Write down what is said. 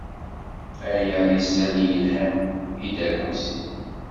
Aya d isali yelhan i Dda Lḥusin.